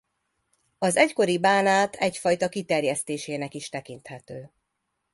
Az egykori Bánát egyfajta kiterjesztésének is tekinthető.